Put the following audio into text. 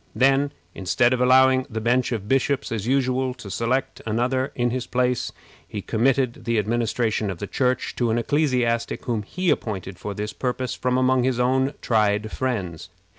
Then, instead of allowing the bench of bishops, as usual, to elect another in his place, he committed the administration of the Church to an ecclesiastic whom he appointed for this purpose from among his own tried friends.